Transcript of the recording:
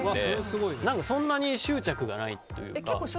そんなに執着がないというか。